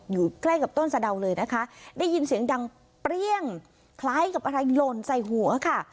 อยู่ใกล้กับต้นสะดาวเลยนะคะได้ยินเสียงดังเปรี้ยงคล้ายกับอะไรหล่นใส่หัวค่ะ